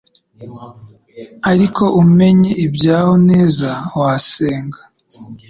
ark umenye ibyaho neza wasenga